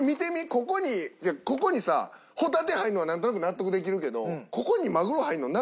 ここにここにさホタテ入るのはなんとなく納得できるけどここにマグロ入るの納得できる？